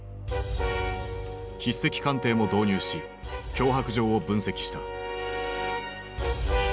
筆跡鑑定も導入し脅迫状を分析した。